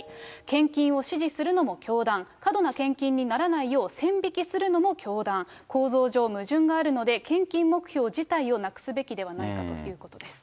献金を指示するのも教団、過度な献金にならないよう線引きするのも教団、構造上、矛盾があるので、献金目標自体をなくすべきではないかということです。